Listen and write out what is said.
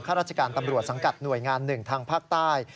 ราชการตำรวจสังกัดหน่วยงานหนึ่งทางภาคใต้